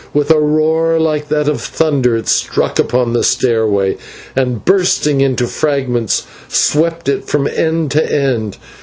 With a roar like that of thunder it struck upon the stairway, and, bursting into fragments, swept it from end to end.